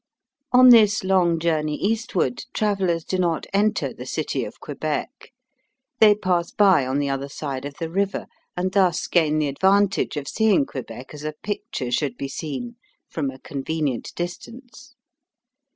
On this long journey eastward travellers do not enter the city of Quebec. They pass by on the other side of the river, and thus gain the advantage of seeing Quebec as a picture should be seen, from a convenient distance.